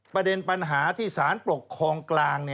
ประเด็นปัญหาที่สารปกครองกลาง